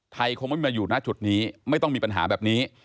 ไทยคงไม่มาอยู่ณจุดนี้ไม่ต้องมีปัญหาแบบนี้